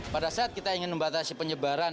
pada saat kita ingin membatasi penyebaran